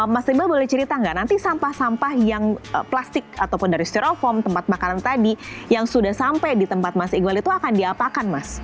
mas iqbal boleh cerita nggak nanti sampah sampah yang plastik ataupun dari steroform tempat makanan tadi yang sudah sampai di tempat mas iqbal itu akan diapakan mas